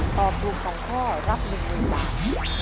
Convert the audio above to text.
ตอบถูกสองข้อรับหนึ่งหนึ่งบาท